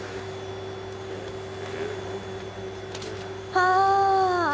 はあ。